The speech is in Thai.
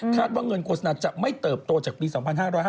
คาดว่าเงินโฆษณาจะไม่เติบโตจากปี๒๕๕๘เยอะนะ